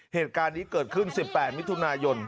เหตุการณ์นี้เกิดขึ้น๑๘มิถุนายน